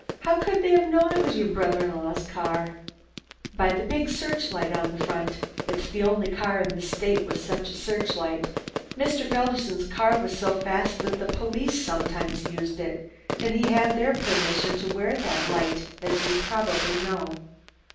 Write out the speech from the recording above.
How could they have known it was your brother in law's car?" "By the big search light in front. It's the only car in the state with such a search light. Mr. Felderson's car was so fast that the police sometimes used it, and he had their permission to wear that light, as you probably know.